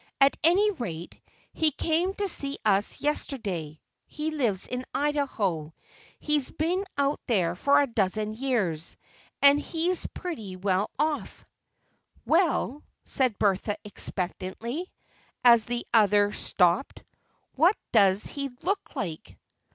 At any rate, he came to see us yesterday. He lives in Idaho; he's been out there for a dozen years, and he says he's pretty well off." "Well," said Bertha expectantly, as the other stopped, "what does he look like?"